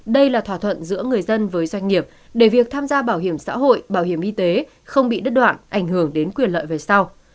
đây là thỏa thuận giữa người dân với doanh nghiệp để việc tham gia bảo hiểm xã hội bảo hiểm y tế không bị đứt đoạn ảnh hưởng đến quyền lợi về sau